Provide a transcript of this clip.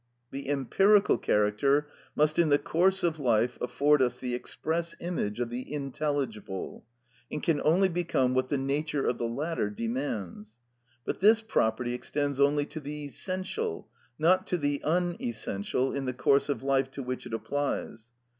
The empirical character must in the course of life afford us the express image of the intelligible, and can only become what the nature of the latter demands. But this property extends only to the essential, not to the unessential in the course of life to which it applies.